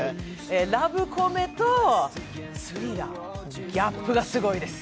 ラブコメとスリラー、ギャップがすごいです。